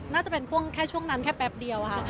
น่าจะเป็นช่วงแค่ช่วงนั้นแค่แป๊บเดียวค่ะ